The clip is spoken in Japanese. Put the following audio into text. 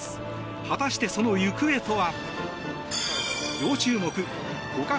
果たして、その行方とは。